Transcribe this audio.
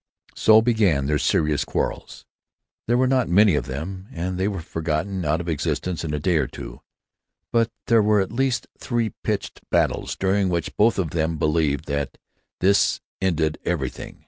So began their serious quarrels; there were not many of them, and they were forgotten out of existence in a day or two; but there were at least three pitched battles during which both of them believed that "this ended everything."